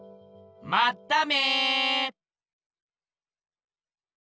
まっため！